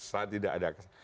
saat tidak ada kesan